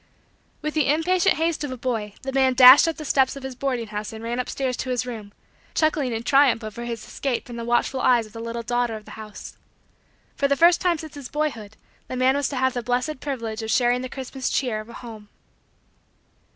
With the impatient haste of a boy, the man dashed up the steps of his boarding house and ran up stairs to his room; chuckling in triumph over his escape from the watchful eyes of the little daughter of the house. For the first time since his boyhood the man was to have the blessed privilege of sharing the Christmas cheer of a home.